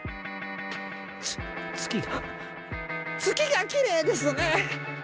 つ月が月がきれいですね。